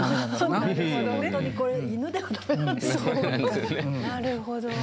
なるほど。